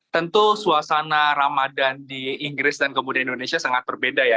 tentu suasana ramadan di inggris dan kemudian indonesia sangat berbeda ya